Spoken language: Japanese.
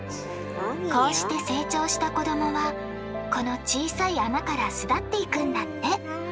こうして成長した子どもはこの小さい穴から巣立っていくんだって。